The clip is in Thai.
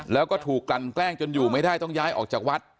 แล้วก็ถูกกลั่นแกล้งจนอยู่ไม่ได้ต้องย้ายออกจากวัด